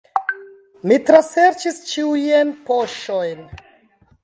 Mi traserĉis ĉiujn poŝojn.